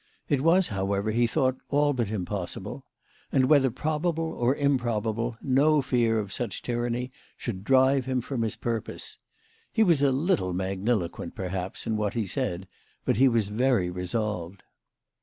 It was, however, he thought, all but impos sible ; and whether probable or improbable, no fear of such tyranny should drive him from his purpose. He was a little magniloquent, perhaps, in what he said, but he was very resolved.